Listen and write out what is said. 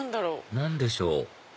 何でしょう？